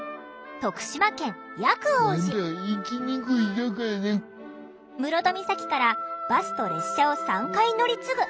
徳島県室戸岬からバスと列車を３回乗り継ぐ。